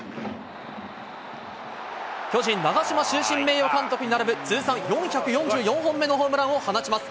巨人、長嶋終身名誉監督に並ぶ通算４４４本目のホームランを放ちます。